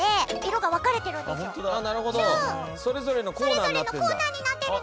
それぞれのコーナーになってるの。